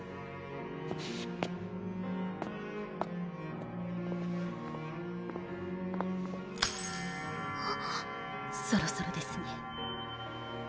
ピキッあっそろそろですね